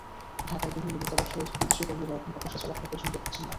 ঢাকায় বিভিন্ন দূতাবাসের বিদেশি কর্মীরা এখন প্রকাশ্যে চলাফেরা পর্যন্ত করছেন না।